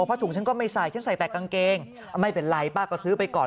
ผ้าถุงฉันก็ไม่ใส่ฉันใส่แต่กางเกงไม่เป็นไรป้าก็ซื้อไปก่อน